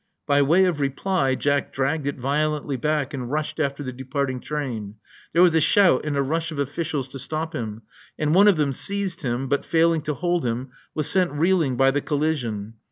By way of reply, Jack dragged it violently back and rushed after the departing train. There was a shout and a rush of officials to stop him; and one of them seized him, but, failing to hold him, was sent reeling by the collision.